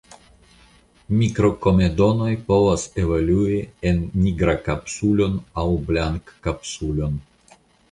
Mikrokomedonoj povas evolui en nigrakapsulon aŭ blankakapsulon.